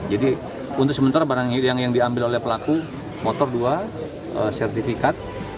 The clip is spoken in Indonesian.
untuk sementara barang yang diambil oleh pelaku motor dua sertifikat